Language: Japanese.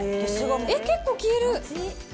結構消える。